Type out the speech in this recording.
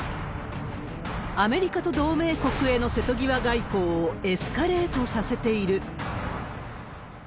アメリカと同盟国への瀬戸際外交をエスカレートさせている。